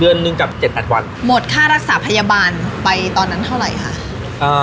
๑เดือนนึงกับ๗๘วันหมดค่ารักษาพยาบาลไปตอนนั้นเท่าไรคะ